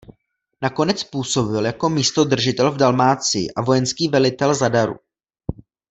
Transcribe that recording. Nakonec působil jako místodržitel v Dalmácii a vojenský velitel Zadaru.